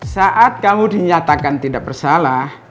saat kamu dinyatakan tidak bersalah